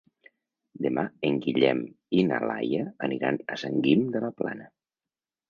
Demà en Guillem i na Laia aniran a Sant Guim de la Plana.